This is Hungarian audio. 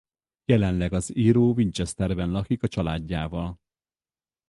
Jelenleg az író Winchesterben lakik a családjával.